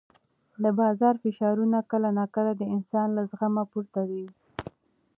د بازار فشارونه کله ناکله د انسان له زغمه پورته وي.